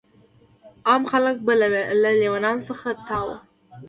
عام خلک به له لیونیانو څخه تاو وو.